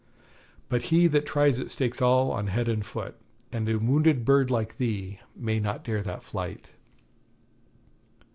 But he that tries it stakes all on head and foot, and a wounded bird like thee may not dare that flight.